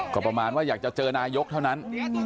ก็ประมาณว่าอยากจะเจอนายกเท่านั้น